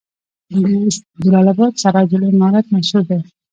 د جلال اباد سراج العمارت مشهور دی